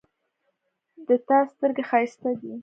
د تا سترګې ښایسته دي